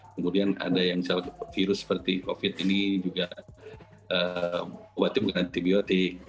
kemudian ada yang misalnya virus seperti covid ini juga obatnya bukan antibiotik